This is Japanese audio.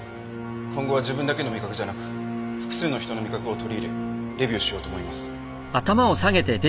今後は自分だけの味覚じゃなく複数の人の味覚を取り入れレビューしようと思います。